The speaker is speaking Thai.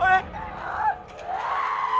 ไม่ไง